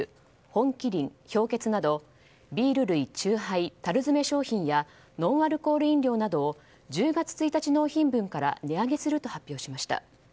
本麒麟、氷結などビール類、酎ハイ、樽詰め商品やノンアルコール飲料などを１０月１日納品分から値上げすると発表しました。